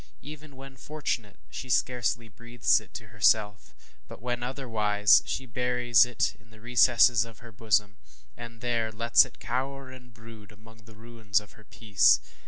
Even when fortunate, she scarcely breathes it to herself; but when otherwise, she buries it in the recesses of her bosom, and there lets it cower and brood among the ruins of her peace.